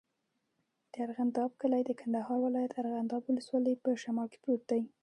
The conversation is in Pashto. د ارغنداب کلی د کندهار ولایت، ارغنداب ولسوالي په شمال کې پروت دی.